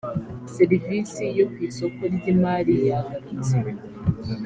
serivisi yo ku isoko ry imariyagarutse